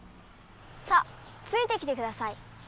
さっついてきてください。